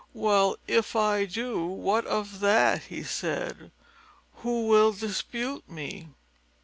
"Well, if I do, what of that?" he said. "Who will dispute me?"